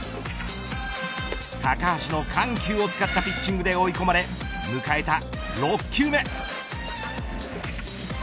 高橋の緩急を使ったピッチングで追い込まれ迎えた６球目。